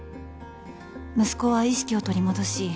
息子は意識を取り戻し